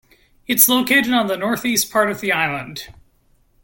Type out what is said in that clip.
It is located on the northeast part of the island.